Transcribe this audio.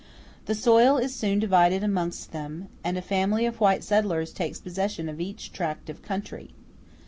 The soil is soon divided amongst them, and a family of white settlers takes possession of each tract of country.